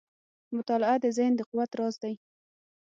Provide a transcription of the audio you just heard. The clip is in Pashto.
• مطالعه د ذهن د قوت راز دی.